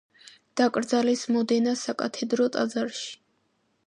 დაკრძალეს მოდენას საკათედრო ტაძარში.